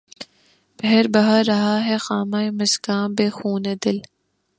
پهر بهر رہا ہے خامہ مژگاں، بہ خونِ دل